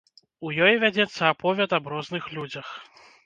У ёй вядзецца аповяд аб розных людзях.